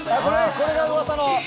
これが噂の。